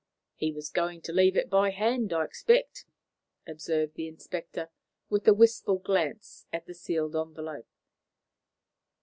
"He was going to leave it by hand, I expect," observed the inspector, with a wistful glance at the sealed envelope.